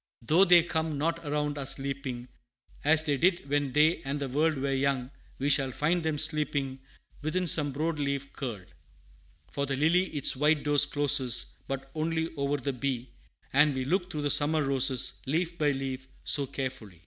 Though they come not around us leaping, As they did when they and the world Were young, we shall find them sleeping Within some broad leaf curled; For the lily its white doors closes But only over the bee, And we looked through the summer roses, Leaf by leaf, so carefully.